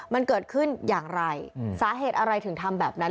มันเกิดขึ้นอย่างไรสาเหตุอะไรถึงทำแบบนั้น